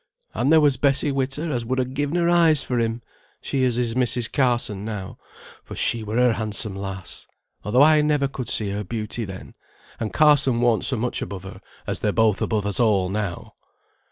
And there was Bessy Witter as would ha' given her eyes for him; she as is Mrs. Carson now, for she were a handsome lass, although I never could see her beauty then; and Carson warn't so much above her, as they're both above us all now."